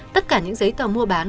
tất cả những giấy tòa mua bán